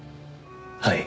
はい。